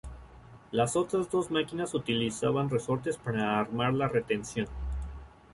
Las otras dos máquinas utilizaban resortes para armar la retención.